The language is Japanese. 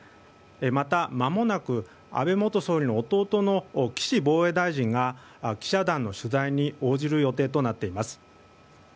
また、まもなく安倍元総理の弟の岸防衛大臣が記者団の取材に応じる予定となっています。